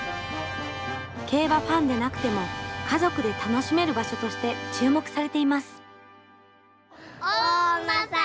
競馬ファンでなくても家族で楽しめる場所として注目されています。